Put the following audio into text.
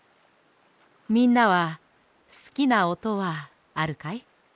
みんなはすきなおとはあるかい？